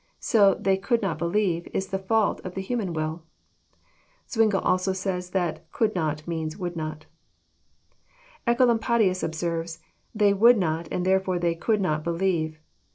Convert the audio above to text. So * they could not believe ' is the fault of the human will." Zwingle also says that could not " means " would not." Ecolampadius observes :They would not, and therefore they could not believe.